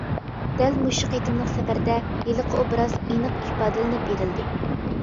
دەل مۇشۇ قېتىملىق سەپەردە، ھېلىقى ئوبراز ئېنىق ئىپادىلىنىپ بېرىلدى.